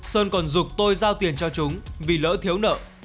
sơn còn dục tôi giao tiền cho chúng vì lỡ thiếu nợ